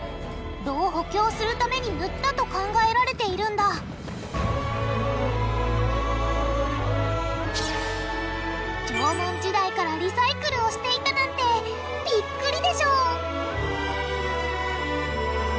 炉を補強するために塗ったと考えられているんだ縄文時代からリサイクルをしていたなんてビックリでしょ！？